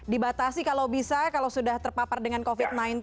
dibatasi kalau bisa kalau sudah terpapar dengan covid sembilan belas